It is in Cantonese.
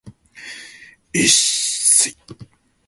一舊